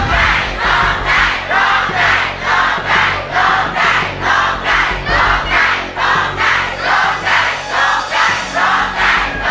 ร้องได้ร้องได้ร้องได้ร้องได้ร้องได้